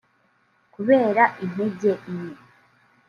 kubera intege nke